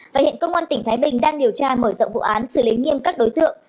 và hiện công an tỉnh thái bình đang điều tra mở rộng vụ án xử lý nghiêm các đối tượng